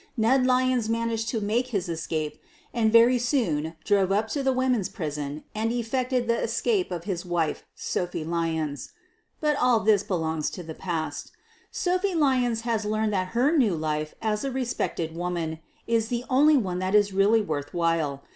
Ned Lyons managed to make his escape and very soon drove up to the women's prison and ef fected the escape of his wife, Sophie Lyons. But all this belongs to the past. Sophie Lyons has learned that her new life as a respected woman is the only one that is really worth while.